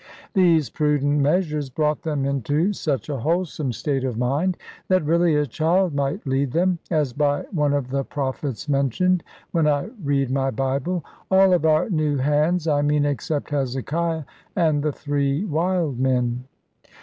These prudent measures brought them into such a wholesome state of mind, that really a child might lead them, as by one of the prophets mentioned, when I read my Bible. All of our new hands, I mean, except Hezekiah, and the three wild men.